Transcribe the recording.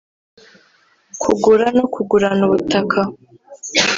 kugura no kugurana ubutaka